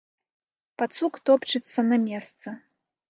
Пацук топчацца на месцы.